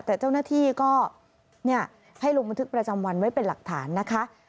แต่เจ้าหน้าที่ก็ให้ลงบันทึกประจำวันไว้เป็นหลักฐานนะคะ